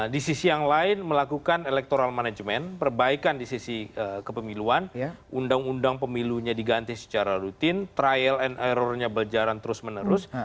di sisi yang lain melakukan electoral management perbaikan di sisi kepemiluan undang undang pemilunya diganti secara rutin trial and errornya berjalan terus menerus